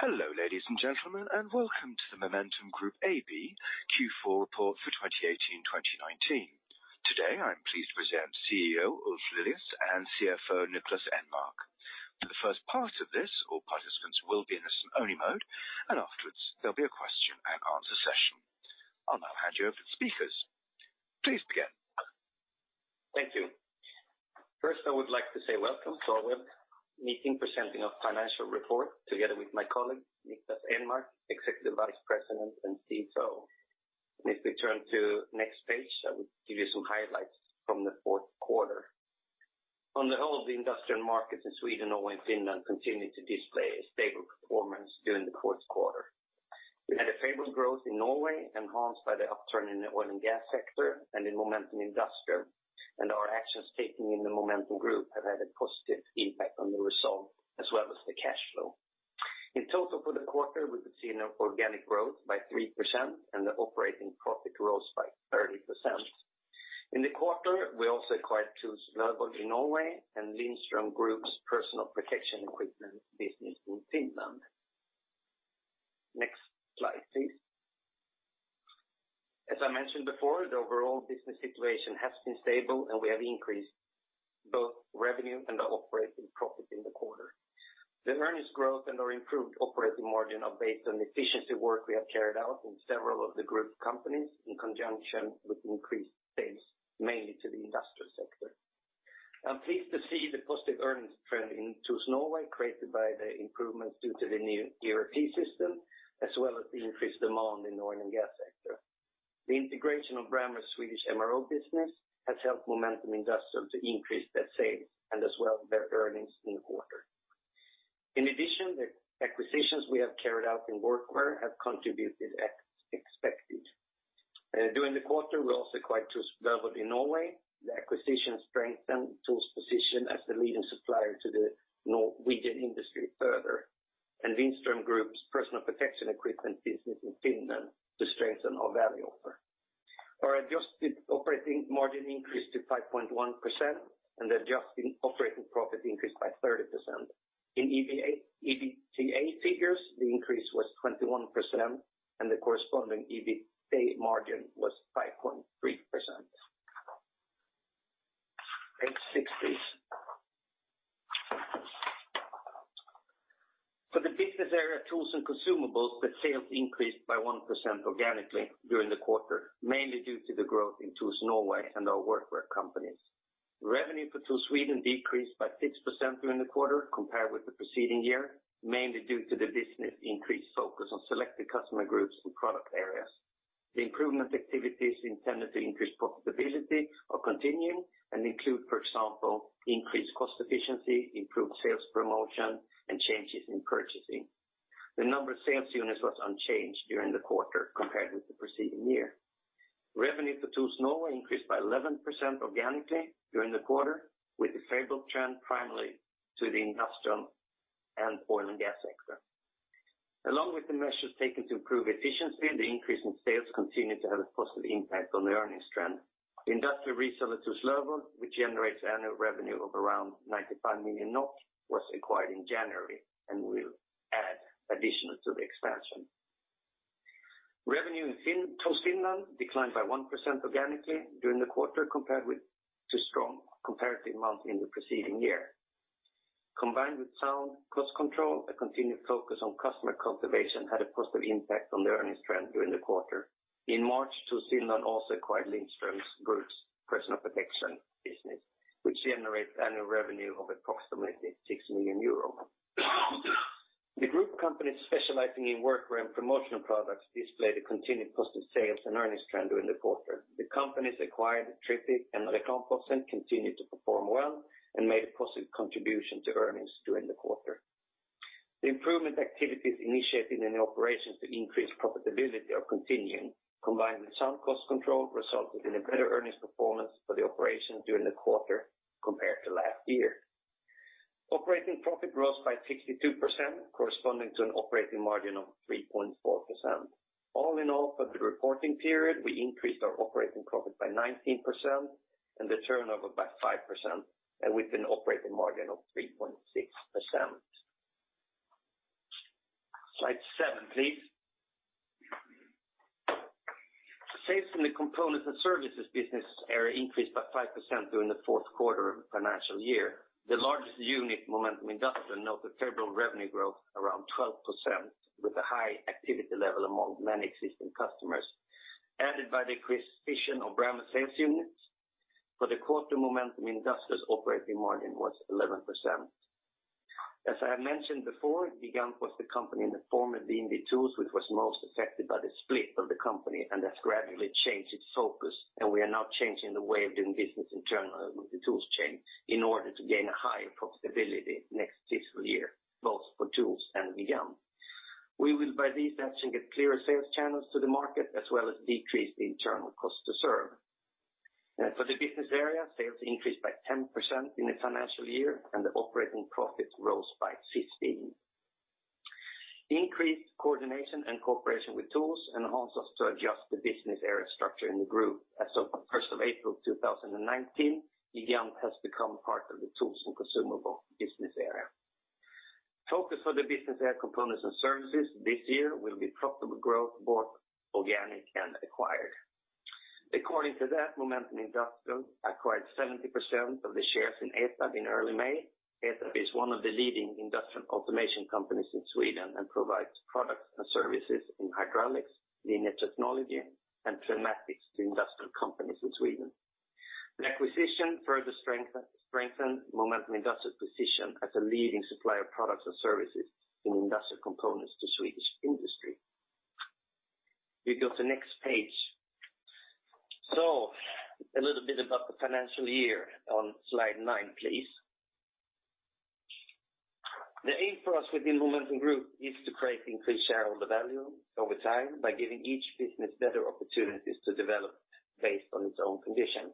Hello, ladies and gentlemen, and welcome to the Momentum Group AB Q4 Report for 2018-2019. Today, I'm pleased to present CEO Ulf Lilius and CFO Niklas Enmark. For the first part of this, all participants will be in a listen-only mode, and afterwards, there'll be a question and answer session. I'll now hand you over to speakers. Please begin. Thank you. First, I would like to say welcome to our web meeting presenting our financial report together with my colleague, Niklas Enmark, Executive Vice President and CFO. If we turn to next page, I will give you some highlights from the fourth quarter. On the whole, the industrial markets in Sweden, Norway, and Finland continued to display a stable performance during the fourth quarter. We had a favorable growth in Norway, enhanced by the upturn in the oil and gas sector and in Momentum Industrial, and our actions taken in the Momentum Group have had a positive impact on the result as well as the cash flow. In total for the quarter, we could see an organic growth by 3% and the operating profit grows by 30%. In the quarter, we also acquired TOOLS Norway in Norway and Lindström Group's personal protection equipment business in Finland. Next slide, please. As I mentioned before, the overall business situation has been stable, and we have increased both revenue and the operating profit in the quarter. The earnings growth and our improved operating margin are based on efficiency work we have carried out in several of the group companies in conjunction with increased sales, mainly to the industrial sector. I'm pleased to see the positive earnings trend in TOOLS Norway, created by the improvements due to the new ERP system, as well as the increased demand in the oil and gas sector. The integration of Brammer's Swedish MRO business has helped Momentum Industrial to increase their sales and as well, their earnings in the quarter. In addition, the acquisitions we have carried out in Workwear have contributed as expected. During the quarter, we also acquired TOOLS Norway. The acquisition strengthened TOOLS' position as the leading supplier to the Norwegian industry further, and Lindström Group's personal protection equipment business in Finland to strengthen our value offer. Our adjusted operating margin increased to 5.1%, and the adjusted operating profit increased by 30%. In EBITA figures, the increase was 21%, and the corresponding EBITA margin was 5.3%. Page six, please. For the business area, TOOLS and Consumables, the sales increased by 1% organically during the quarter, mainly due to the growth in TOOLS Norway and our Workwear companies. The revenue for TOOLS Sweden decreased by 6% during the quarter compared with the preceding year, mainly due to the business increased focus on selected customer groups and product areas. The improvement activities intended to increase profitability are continuing and include, for example, increased cost efficiency, improved sales promotion, and changes in purchasing. The number of sales units was unchanged during the quarter compared with the preceding year. Revenue for TOOLS Norway increased by 11% organically during the quarter, with the favorable trend primarily to the industrial and oil and gas sector. Along with the measures taken to improve efficiency, the increase in sales continued to have a positive impact on the earnings trend. The industrial reseller TOOLS Norway, which generates annual revenue of around 95 million NOK, was acquired in January and will add additional to the expansion. Revenue in Tools Finland declined by 1% organically during the quarter compared with 2 strong comparative months in the preceding year. Combined with sound cost control, a continued focus on customer cultivation had a positive impact on the earnings trend during the quarter. In March, TOOLS Finland also acquired Lindström Group's personal protection business, which generates annual revenue of approximately 6 million euros. The group companies specializing in workwear and promotional products displayed a continued positive sales and earnings trend during the quarter. The companies acquired, TriffiQ and Reklamproffsen, continued to perform well and made a positive contribution to earnings during the quarter. The improvement activities initiated in the operations to increase profitability are continuing, combined with sound cost control, resulted in a better earnings performance for the operation during the quarter compared to last year. Operating profit grows by 62%, corresponding to an operating margin of 3.4%. All in all, for the reporting period, we increased our operating profit by 19% and the turnover by 5%, and with an operating margin of 3.6%. Slide seven, please. Sales in the components and services business area increased by 5% during the fourth quarter of the financial year. The largest unit, Momentum Industrial, note the favorable revenue growth around 12%, with a high activity level among many existing customers, added by the acquisition of Brammer sales units. For the quarter, Momentum Industrial's operating margin was 11%. As I have mentioned before, Gigant was the company in the former B&B TOOLS, which was most affected by the split of the company and has gradually changed its focus, and we are now changing the way of doing business in terms of the tools chain in order to gain a higher profitability next fiscal year, both for Tools and Gigant. We will, by these actions, get clearer sales channels to the market, as well as decrease the internal cost to serve. For the business area, sales increased by 10% in the financial year, and the operating profit rose by 15. Increased coordination and cooperation with Tools enhance us to adjust the business area structure in the group. As of April 1, 2019, Gigant has become part of the Tools and Consumable business area. Focus for the business area components and services this year will be profitable growth, both organic and acquired. According to that, Momentum Industrial acquired 70% of the shares in ETAB in early May. ETAB is one of the leading industrial automation companies in Sweden, and provides products and services in hydraulics, linear technology, and pneumatics to industrial companies in Sweden. The acquisition further strengthens Momentum Industrial's position as a leading supplier of products and services in industrial components to Swedish industry. We go to the next page. So a little bit about the financial year on slide nine, please. The aim for us within Momentum Group is to create increased share of the value over time by giving each business better opportunities to develop based on its own conditions.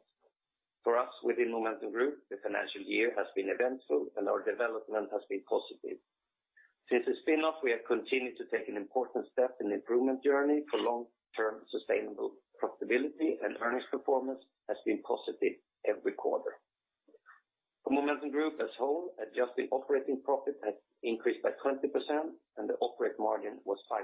For us, within Momentum Group, the financial year has been eventful and our development has been positive. Since the spin-off, we have continued to take an important step in the improvement journey for long-term sustainable profitability, and earnings performance has been positive every quarter. For Momentum Group as a whole, adjusted operating profit has increased by 20%, and the operating margin was 5%.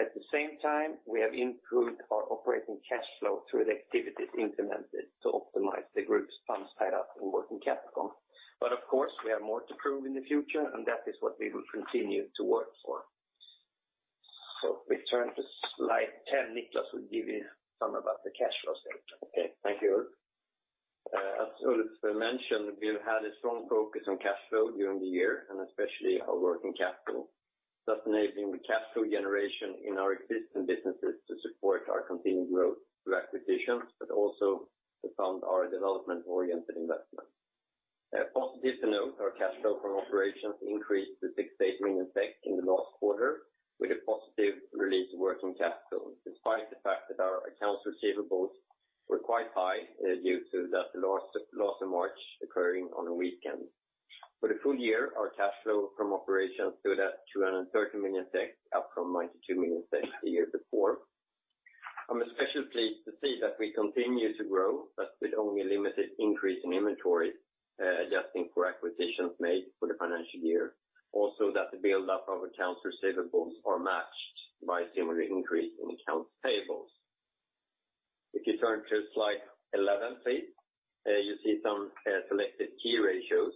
At the same time, we have improved our operating cash flow through the activities implemented to optimize the group's funds tied up in working capital. But of course, we have more to prove in the future, and that is what we will continue to work for. So we turn to slide 10. Niklas will give you some about the cash flow statement. Okay, thank you, Ulf. As Ulf mentioned, we've had a strong focus on cash flow during the year, and especially our working capital. Thus enabling the cash flow generation in our existing businesses to support our continued growth through acquisitions, but also to fund our development-oriented investment. Positive to note, our cash flow from operations increased to 68 million in the last quarter, with a positive release of working capital, despite the fact that our accounts receivables were quite high, due to the loss in March occurring on a weekend. For the full year, our cash flow from operations stood at 230 million SEK, up from 92 million SEK the year before. I'm especially pleased to see that we continue to grow, but with only a limited increase in inventory, adjusting for acquisitions made for the financial year. Also, that the build-up of accounts receivables are matched by a similar increase in accounts payables. If you turn to slide 11, please, you see some selected key ratios.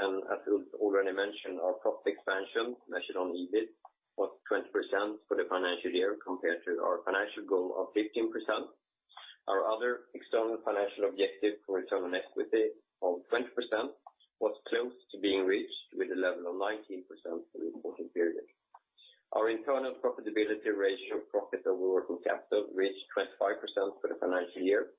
And as Ulf already mentioned, our profit expansion, measured on EBIT, was 20% for the financial year compared to our financial goal of 15%. Our other external financial objective for return on equity of 20% was close to being reached with a level of 19% in the reporting period. Our internal profitability ratio, profit over working capital, reached 25% for the financial year.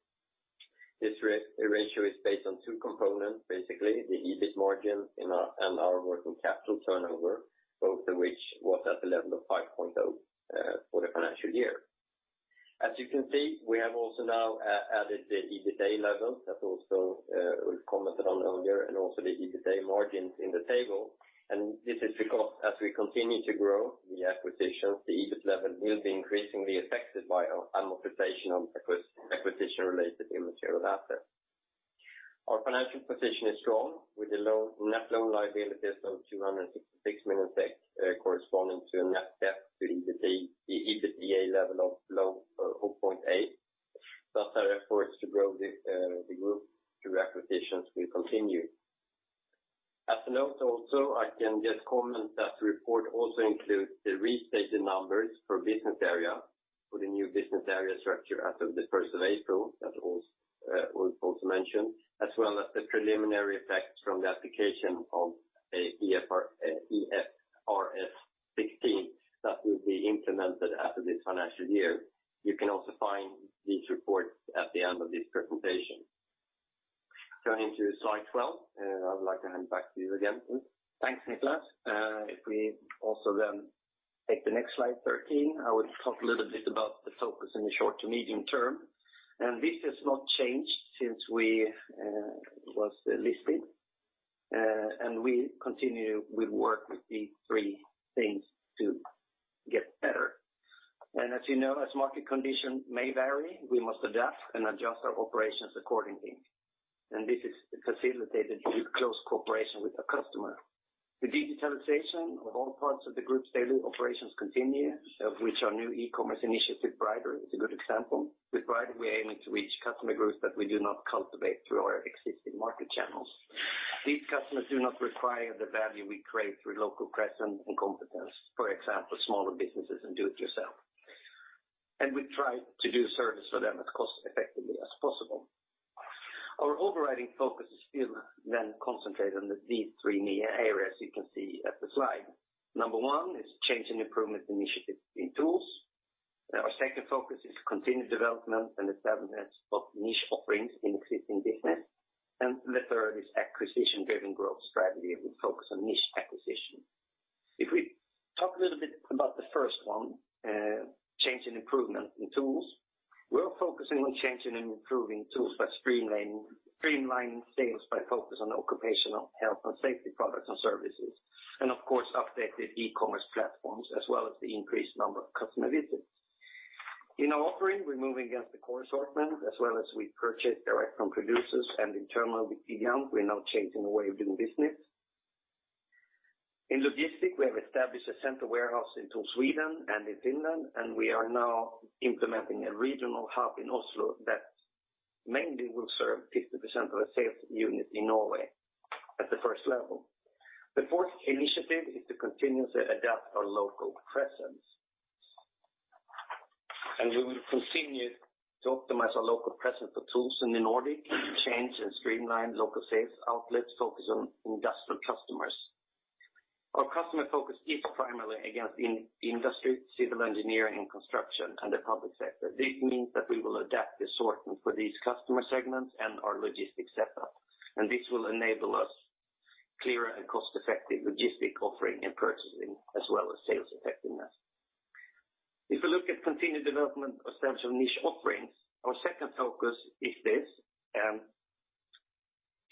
This ratio is based on two components, basically, the EBIT margin and our working capital turnover, both of which was at the level of 5.0 for the financial year. As you can see, we have also now added the EBITDA levels. That also we've commented on earlier, and also the EBITDA margins in the table. This is because as we continue to grow the acquisitions, the EBIT level will be increasingly affected by our amortization on acquisition-related intangible assets. Our financial position is strong, with a low net debt of SEK 266 million, corresponding to a net debt to EBITDA level of 0.8. Thus, our efforts to grow the group through acquisitions will continue. As a note also, I can just comment that the report also includes the restated numbers for business area, for the new business area structure as of the first of April, as Ulf also mentioned, as well as the preliminary effects from the application of IFRS 16, that will be implemented after this financial year. You can also find these reports at the end of this presentation. Going to slide 12, I would like to hand it back to you again, please. Thanks, Niklas. If we also then take the next slide 13, I would talk a little bit about the focus in the short to medium term. This has not changed since we was listed, and we continue with work with these three things to get better. As you know, as market conditions may vary, we must adapt and adjust our operations accordingly. This is facilitated through close cooperation with the customer. The digitalization of all parts of the group's daily operations continue, of which our new e-commerce initiative, brighter, is a good example. With brighter, we are aiming to reach customer groups that we do not cultivate through our existing market channels. These customers do not require the value we create through local presence and competence, for example, smaller businesses and do-it-yourself. We try to do service for them as cost-effectively as possible. Our overriding focus is still then concentrated on the these three main areas you can see at the slide. Number one is change and improvement initiatives in TOOLS. Our second focus is continued development and establishment of niche offerings in existing business. The third is acquisition-driven growth strategy, with focus on niche acquisition. If we talk a little bit about the first one, change and improvement in TOOLS, we're focusing on changing and improving TOOLS by streamlining, streamlining sales by focus on occupational health and safety products and services, and of course, updated e-commerce platforms, as well as the increased number of customer visits. In our offering, we're moving against the core assortment as well as we purchase direct from producers and internal with, [inaudible] we're now changing the way of doing business. In logistics, we have established a central warehouse in Sweden and in Finland, and we are now implementing a regional hub in Oslo that mainly will serve 50% of the sales unit in Norway at the first level. The fourth initiative is to continuously adapt our local presence. We will continue to optimize our local presence for tools in the Nordic, and to change and streamline local sales outlets, focus on industrial customers. Our customer focus is primarily against industry, civil engineering, and construction, and the public sector. This means that we will adapt the sorting for these customer segments and our logistics setup, and this will enable us clearer and cost-effective logistic offering and purchasing, as well as sales effectiveness. If you look at continued development of central niche offerings, our second focus is this, and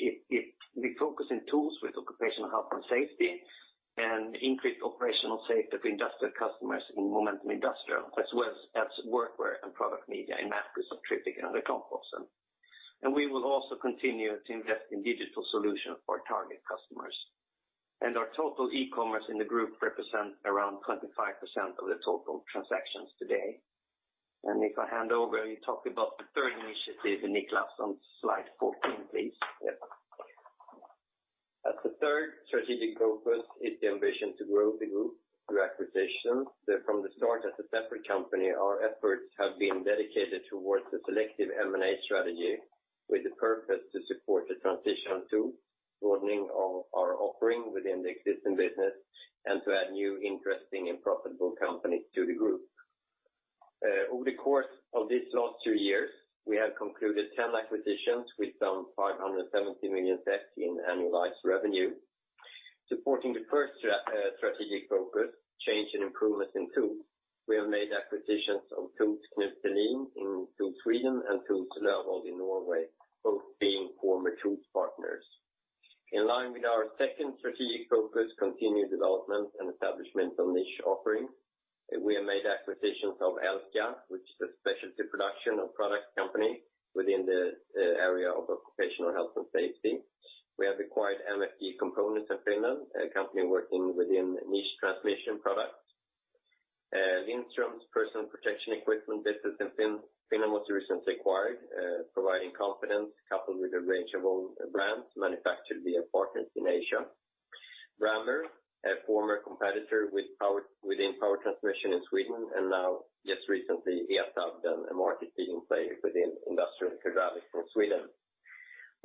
we focus in tools with occupational health and safety, and increased operational safety of industrial customers in Momentum Industrial, as well as workwear and product media, and Mercus, TriffiQ, and Reklamproffsen. We will also continue to invest in digital solution for our target customers. Our total e-commerce in the group represents around 25% of the total transactions today. If I hand over, you talk about the third initiative, Niklas, on slide 14, please. Yep. As the third strategic focus is the ambition to grow the group through acquisition, that from the start, as a separate company, our efforts have been dedicated towards the selective M&A strategy, with the purpose to support the transition to broadening of our offering within the existing business, and to add new, interesting, and profitable companies to the group. Over the course of these last two years, we have concluded 10 acquisitions with some 570 million in annualized revenue. Supporting the first strategic focus, change and improvements in tools, we have made acquisitions of TOOLS Knut Sehlins in TOOLS Sweden, and TOOLS Løvold in Norway, both being former TOOLS partners. In line with our second strategic focus, continued development and establishment on niche offerings, we have made acquisitions of ELCIA, which is a specialty production and product company within the area of occupational health and safety. We have acquired MFD Components in Finland, a company working within niche transmission products. Lindström's Personal Protective Equipment business in Finland was recently acquired, providing confidence coupled with a range of own brands manufactured via partners in Asia. Brammer, a former competitor within power transmission in Sweden, and now, just recently, Etab, a market-leading player within industrial hydraulics for Sweden.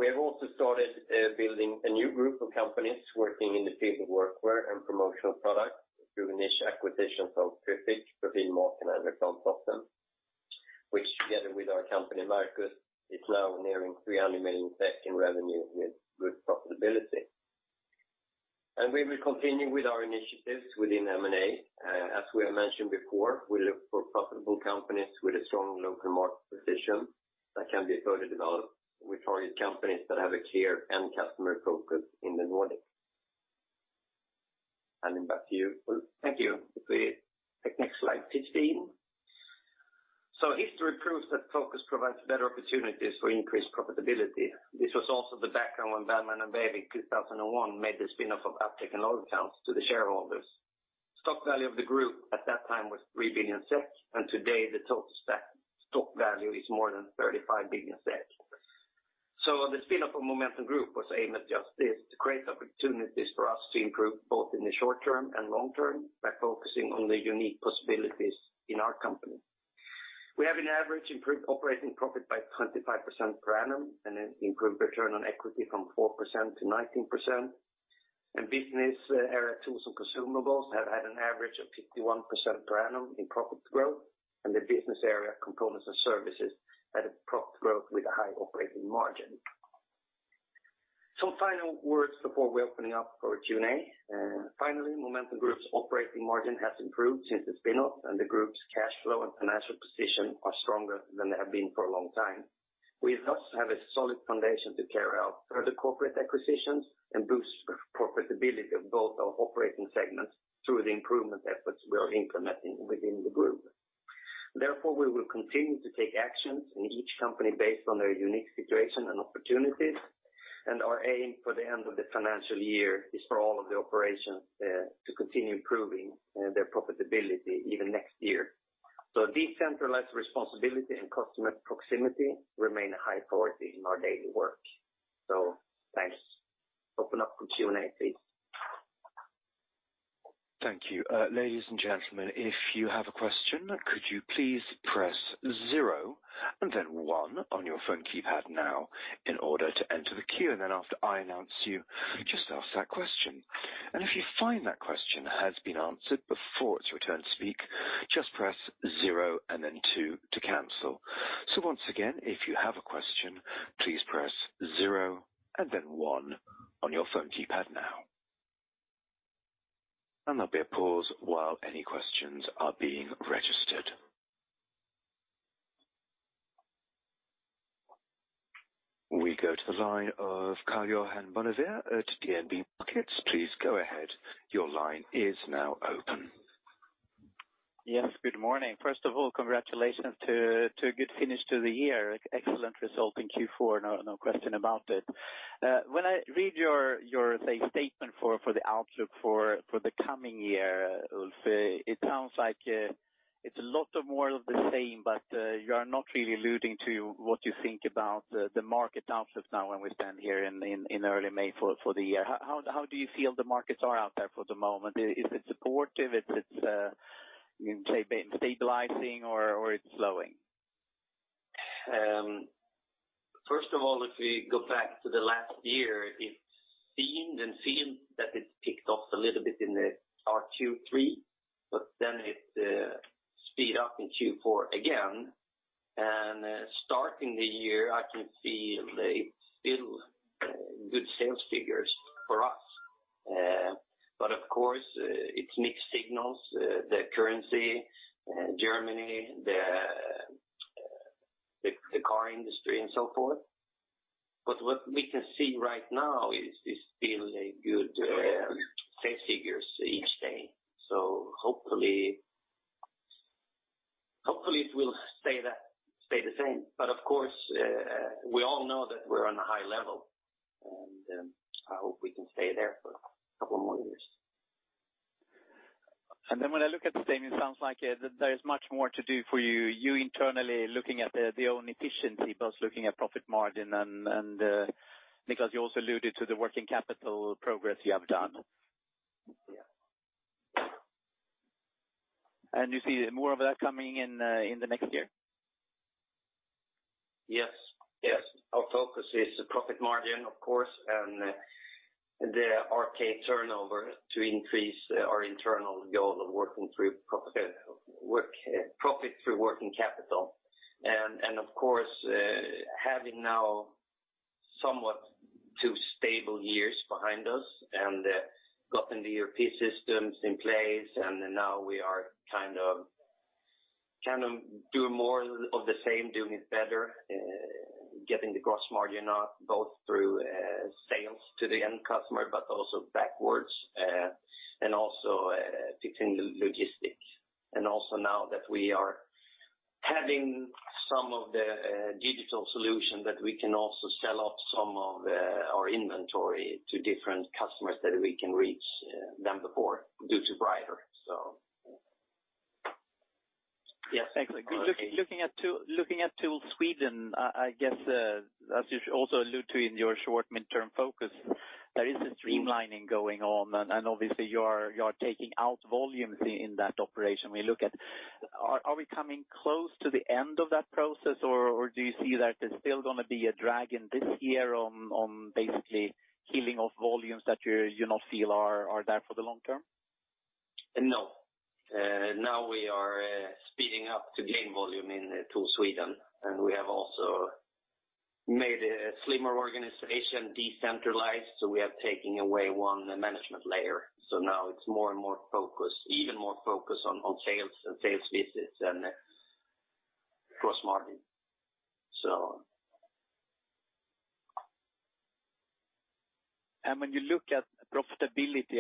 We have also started building a new group of companies working in the field of workwear and promotional products through initial acquisitions of TriffiQ Företagsprofilering and Reklamproffsen which together with our company, Mercus, is now nearing 300 million in revenue with good profitability. We will continue with our initiatives within M&A. As we have mentioned before, we look for profitable companies with a strong local market position that can be further developed. We target companies that have a clear end customer focus in the Nordic. Handing back to you Ulf. Thank you. If we take next slide 15. History proves that focus provides better opportunities for increased profitability. This was also the background when Bergman & Beving, in 2001, made the spin-off of Addtech and Lagercrantz to the shareholders. Stock value of the group at that time was 3 billion SEK, and today, the total stock value is more than 35 billion SEK. So the spin-off of Momentum Group was aimed at just this, to create opportunities for us to improve both in the short term and long-term by focusing on the unique possibilities in our company. We have an average improved operating profit by 25% per annum, and an improved return on equity from 4% to 19%. And business area tools and consumables have had an average of 51% per annum in profit growth, and the business area, components and services, had a profit growth with a high operating margin. Some final words before we open up for Q&A. Finally, Momentum Group's operating margin has improved since the spin-off, and the group's cash flow and financial position are stronger than they have been for a long time. We thus have a solid foundation to carry out further corporate acquisitions and boost profitability of both our operating segments through the improvement efforts we are implementing within the group. Therefore, we will continue to take actions in each company based on their unique situation and opportunities, and our aim for the end of the financial year is for all of the operations to continue improving their profitability even next year. Decentralized responsibility and customer proximity remain a high priority in our daily work. Thanks. Open up for Q&A, please. Thank you. Ladies and gentlemen, if you have a question, could you please press zero and then one on your phone keypad now in order to enter the queue, and then after I announce you, just ask that question. And if you find that question has been answered before it's your turn to speak, just press zero and then two to cancel. So once again, if you have a question, please press zero and then one on your phone keypad now. And there'll be a pause while any questions are being registered. We go to the line of Karl-Johan Bonnevier at DNB Markets. Please go ahead. Your line is now open. Yes, good morning. First of all, congratulations to a good finish to the year. Excellent result in Q4. No question about it. When I read your, your, say, statement for the outlook for the coming year, Ulf, it sounds like it's a lot of more of the same, but you are not really alluding to what you think about the market outlook now when we stand here in early May for the year. How do you feel the markets are out there for the moment? Is it supportive? It's, it's, you can say stabilizing or it's slowing? First of all, if we go back to the last year, it's seen and feel that it's picked up a little bit in the Q3, but then it speed up in Q4 again. And starting the year, I can see they still good sales figures for us. But of course, it's mixed signals, the currency, Germany, the car industry, and so forth. But what we can see right now is still a good sales figures each day. So hopefully, it will stay the same. But of course, we all know that we're on a high level, and I hope we can stay there for a couple more years. And then when I look at the statement, it sounds like there is much more to do for you. You internally looking at the own efficiency, both looking at profit margin and because you also alluded to the working capital progress you have done. Yeah. You see more of that coming in, in the next year? Yes. Yes. Our focus is the profit margin, of course, and the R/WC turnover to increase our internal goal of working through profit, profit through working capital. And, of course, having now somewhat two stable years behind us, and gotten the ERP system in place, and then now we are kind of doing more of the same, doing it better, getting the gross margin up, both through sales to the end customer, but also backwards, and also between logistics. And also now that we are having some of the digital solution, that we can also sell off some of our inventory to different customers that we can reach than before, due to Brighter, so. Yes, thanks. Looking at TOOLS Sweden, I guess, as you also allude to in your short midterm focus, there is a streamlining going on, and obviously you are taking out volumes in that operation we look at. Are we coming close to the end of that process, or do you see that there's still going to be a drag in this year on basically heeling off volumes that you not feel are there for the long-term? No. Now we are speeding up to gain volume in TOOLS Sweden, and we have also made a slimmer organization, decentralized, so we are taking away one management layer. So now it's more and more focused, even more focused on sales and sales visits and cross-margin, so. When you look at profitability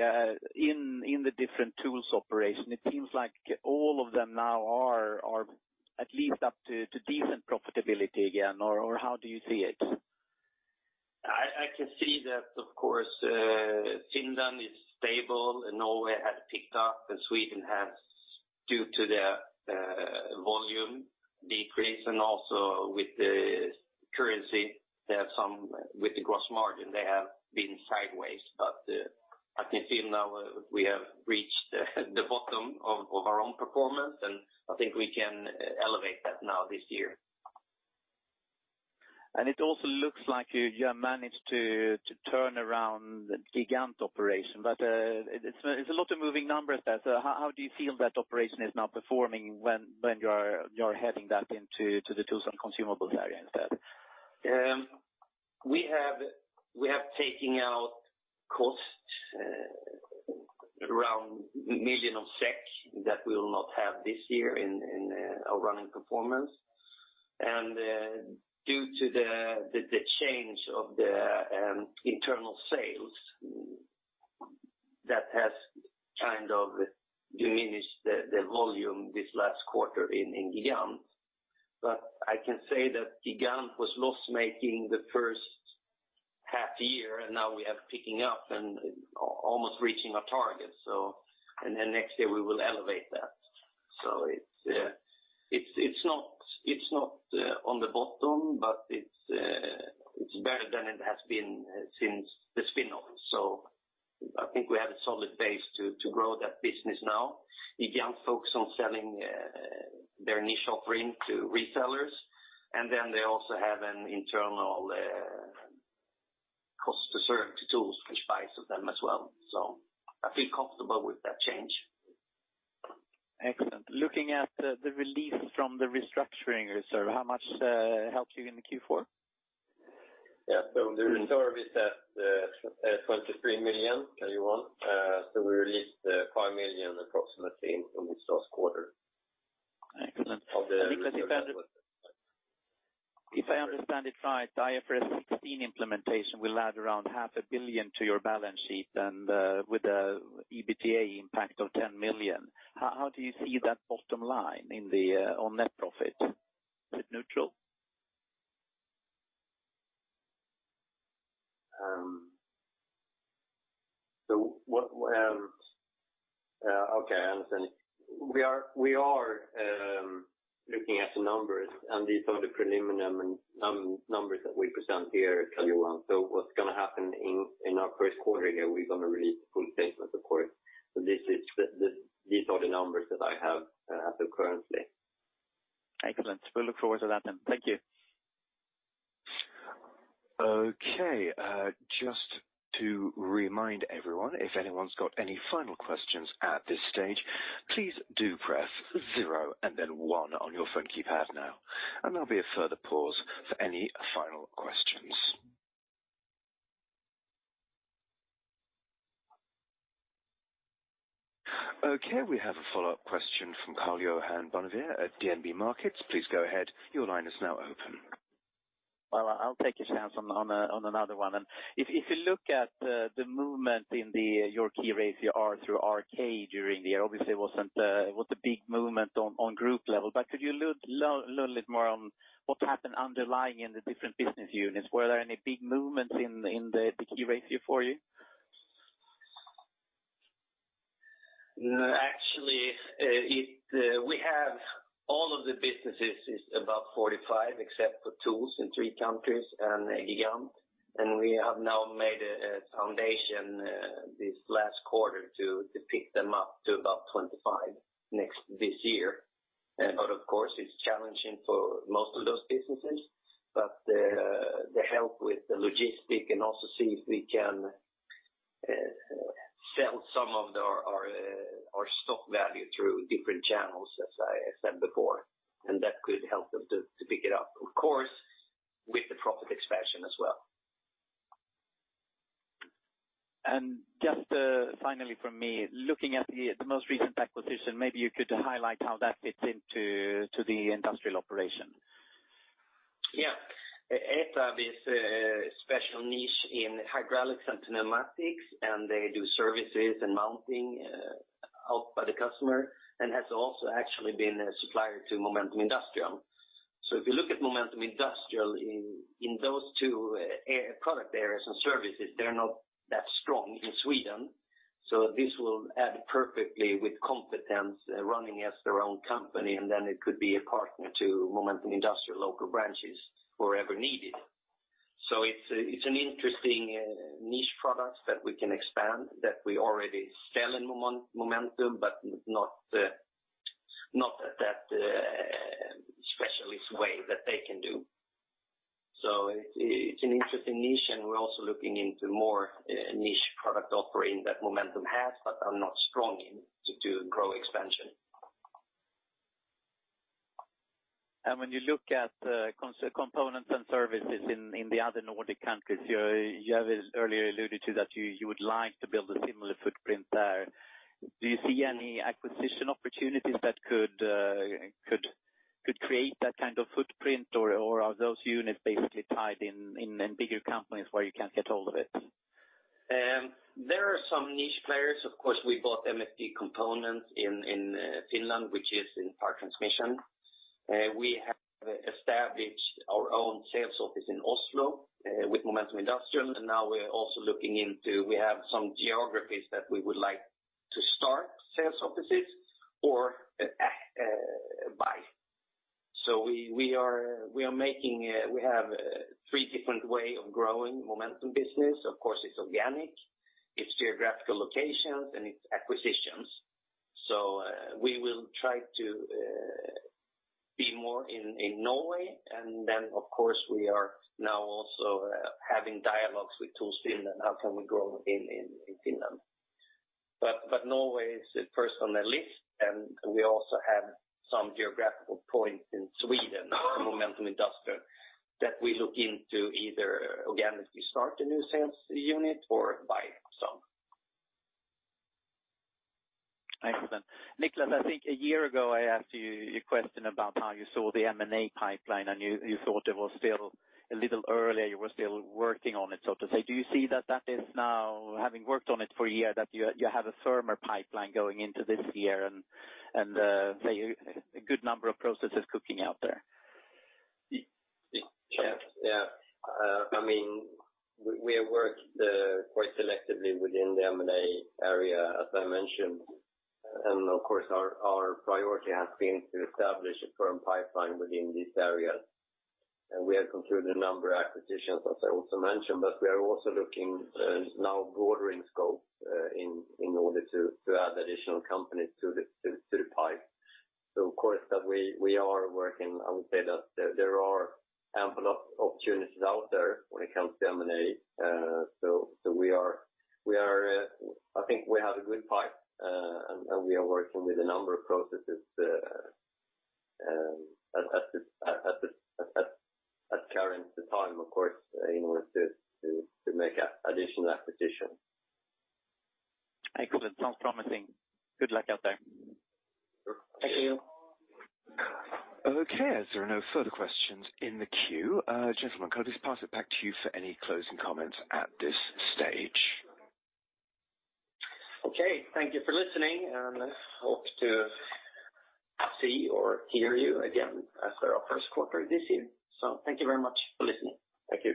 in the different tools operation, it seems like all of them now are at least up to decent profitability again, or how do you see it? I can see that, of course, Finland is stable, and Norway has picked up, and Sweden has, due to the volume decrease and also with the currency, they have some with the gross margin, they have been sideways. But I can see now we have reached the bottom of our own performance, and I think we can elevate that now this year. It also looks like you have managed to turn around the Gigant operation, but it's a lot of moving numbers there. So how do you feel that operation is now performing when you are heading that into the tools and consumables area instead? We have taken out costs around 1 million SEK that we will not have this year in our running performance. And due to the change of the internal sales, that has kind of diminished the volume this last quarter in Gigant. But I can say that Gigant was loss-making the first half year, and now we are picking up and almost reaching our target, so and then next year, we will elevate that. So it's not on the bottom, but it's better than it has been since the spin-off. So I think we have a solid base to grow that business now. Gigant focus on selling, their initial frame to resellers, and then they also have an internal, cost to serve to TOOLS, which buys with them as well. So I feel comfortable with that change. Excellent. Looking at the release from the restructuring reserve, how much helped you in the Q4? Yeah, so the reserve is at 23,000,031. So we released 5 million approximately in this last quarter. Niklas, if I understand it right, the IFRS 16 implementation will add around 500 million to your balance sheet and, with a EBITA impact of 10 million. How do you see that bottom line in the, on net profit? Is it neutral? Okay, I understand. We are looking at the numbers, and these are the preliminary numbers that we present here to everyone. So what's gonna happen in our first quarter here, we're gonna release the full statement, of course. So these are the numbers that I have as of currently. Excellent. We look forward to that then. Thank you. Okay. Just to remind everyone, if anyone's got any final questions at this stage, please do press zero and then one on your phone keypad now, and there'll be a further pause for any final questions. Okay, we have a follow-up question from Karl-Johan Bonnevier at DNB Markets. Please go ahead. Your line is now open. Well, I'll take a chance on, on another one. If you look at the movement in your key ratio R/WC during the year, obviously, it wasn't, it was a big movement on group level. Could you allude, learn a little bit more on what happened underlying in the different business units? Were there any big movements in the key ratio for you? No, actually... We have all of the businesses is above 45, except for TOOLS in three countries and Gigant, and we have now made a foundation this last quarter to pick them up to above 25 next—this year. But of course, it's challenging for most of those businesses. But the help with the logistic, and also see if we can sell some of our stock value through different channels, as I said before, and that could help them to pick it up, of course, with the profit expansion as well. And just finally, from me, looking at the most recent acquisition, maybe you could highlight how that fits into the industrial operation? Yeah. ETAB is a special niche in hydraulics and pneumatics, and they do services and mounting out by the customer, and has also actually been a supplier to Momentum Industrial. So if you look at Momentum Industrial, in those two air product areas and services, they're not that strong in Sweden. So this will add perfectly with competence running as their own company, and then it could be a partner to Momentum Industrial local branches, wherever needed. So it's an interesting niche product that we can expand, that we already sell in Momentum, but not at that specialist way that they can do. So it's an interesting niche, and we're also looking into more niche product offering that Momentum has, but are not strong in, to do grow expansion. When you look at components and services in the other Nordic countries, you have earlier alluded to that you would like to build a similar footprint there. Do you see any acquisition opportunities that could create that kind of footprint, or are those units basically tied in bigger companies where you can't get hold of it? There are some niche players. Of course, we bought MFD Components in Finland, which is in power transmission. We have established our own sales office in Oslo with Momentum Industrial, and now we're also looking into... We have some geographies that we would like to start sales offices or buy. So we are making three different way of growing Momentum business. Of course, it's organic, it's geographical locations, and it's acquisitions. So we will try to be more in Norway, and then, of course, we are now also having dialogues with TOOLS Finland, how can we grow in Finland? Norway is the first on the list, and we also have some geographical points in Sweden, Momentum Industrial, that we look into either, again, if we start a new sales unit or buy some. Excellent. Niklas, I think a year ago, I asked you a question about how you saw the M&A pipeline, and you, you thought it was still a little early, you were still working on it, so to say. Do you see that that is now, having worked on it for a year, that you, you have a firmer pipeline going into this year and, say, a good number of processes cooking out there? Yes. Yeah. I mean, we have worked quite selectively within the M&A area, as I mentioned. And of course, our priority has been to establish a firm pipeline within these areas. And we have concluded a number of acquisitions, as I also mentioned, but we are also looking now broader in scope, in order to add additional companies to the pipe. So of course, we are working. I would say that there are ample opportunities out there when it comes to M&A. So we are. I think we have a good pipe, and we are working with a number of processes at the current time, of course, in order to make additional acquisitions. Excellent. Sounds promising. Good luck out there. Thank you. Okay. As there are no further questions in the queue, gentlemen, could I just pass it back to you for any closing comments at this stage? Okay. Thank you for listening, and hope to see or hear you again after our first quarter this year. So thank you very much for listening. Thank you.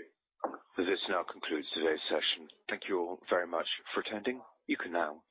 This now concludes today's session. Thank you all very much for attending. You can now disconnect.